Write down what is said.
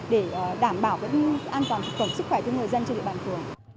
để đảm bảo an toàn thực phẩm sức khỏe cho người dân trên địa bàn phường